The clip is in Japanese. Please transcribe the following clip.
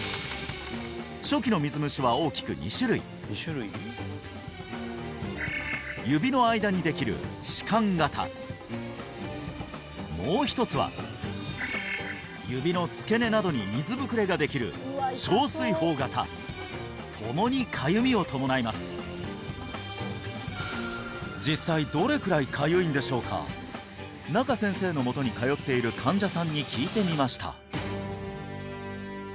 初期の水虫は大きく２種類指の間にできる趾間型もう一つは指の付け根などに水ぶくれができる小水疱型共にかゆみを伴います仲先生のもとに通っている患者さんに聞いてみました